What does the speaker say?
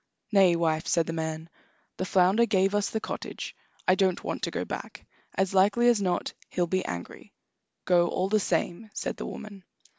"Nay, wife," said the man; "the flounder gave us the cottage. I don't want to go back; as likely as not he'll be angry." "Go, all the same," said the woman.